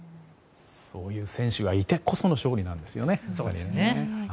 そういう選手がいてこその勝利なんですよね。